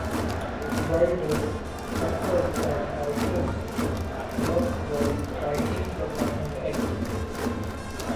Wilder suffered from writer's block while writing the final act.